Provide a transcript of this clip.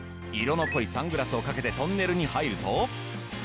色の濃いサングラスをかけてトンネルに入ると。